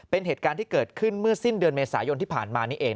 เป็นเหตุการณ์ที่เกิดขึ้นเมื่อสิ้นเดือนเมษายนที่ผ่านมานี่เอง